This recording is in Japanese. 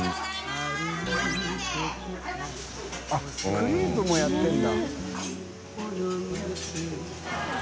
△クレープもやってるんだ。